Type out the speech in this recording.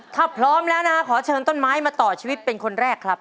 ถ้าพร้อมแล้วนะขอเชิญต้นไม้มาต่อชีวิตเป็นคนแรกครับ